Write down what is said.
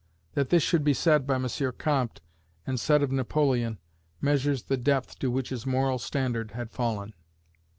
That this should be said by M. Comte, and said of Napoleon, measures the depth to which his moral standard had fallen.